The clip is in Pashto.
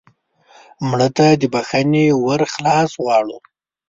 مړه ته د بښنې ور خلاص غواړو